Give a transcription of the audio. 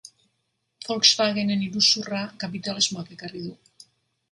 Volkswagenen iruzurra kapitalismoak ekarri du.